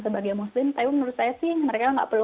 sebagai muslim tapi menurut saya sih mereka nggak perlu